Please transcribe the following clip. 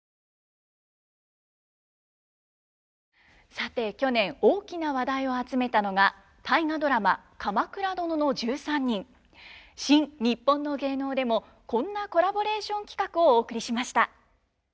さて去年大きな話題を集めたのが大河ドラマ「鎌倉殿の１３人」。「新・にっぽんの芸能」でもこんなコラボレーション企画をお送りしました。